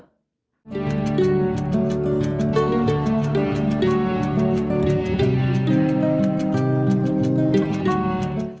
hãy đăng ký kênh để ủng hộ kênh mình nhé